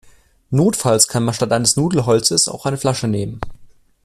Notfalls kann man statt eines Nudelholzes auch eine Flasche nehmen.